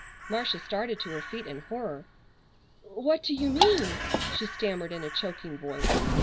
Marcia started to her feet in horror. "What do you mean?" she stammered in a choking voice.